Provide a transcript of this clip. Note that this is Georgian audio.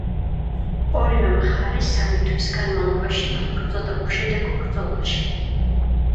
ორივე მხარე სამი თვის განმავლობაში იბრძოდა უშედეგო ბრძოლაში.